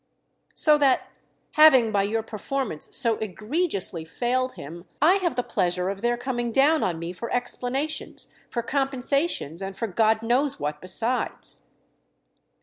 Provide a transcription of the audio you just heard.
—so that, having by your performance so egregiously failed him, I have the pleasure of their coming down on me for explanations, for compensations, and for God knows what besides."